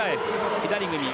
左組み。